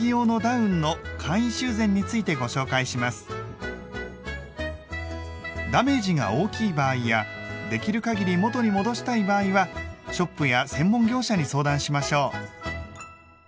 今回はダメージが大きい場合やできる限り元に戻したい場合はショップや専門業者に相談しましょう。